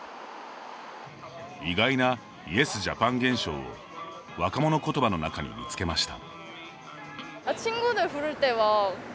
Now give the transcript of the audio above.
意外なイエスジャパン現象を若者言葉の中に見つけました。